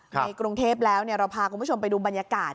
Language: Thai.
กรุงเทพแล้วเราพาคุณผู้ชมไปดูบรรยากาศ